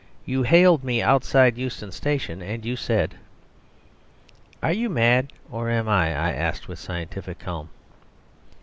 You hailed me outside Euston Station, and you said " "Are you mad, or am I?" I asked with scientific calm.